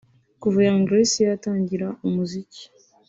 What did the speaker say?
Kuva Young Grace yatangira umuziki